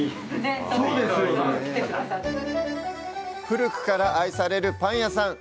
古くから愛されるパン屋さん。